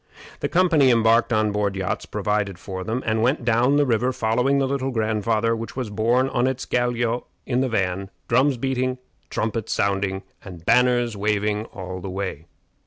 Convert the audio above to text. The company embarked on board yachts provided for them, and went down the river following the Little Grandfather, which was borne on its galliot in the van drums beating, trumpets sounding, and banners waving all the way.